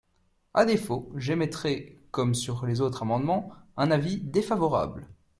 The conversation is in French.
À défaut, j’émettrai, comme sur les autres amendements, un avis défavorable.